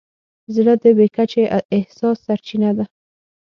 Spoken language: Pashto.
زړه د بې کچې احساس سرچینه ده.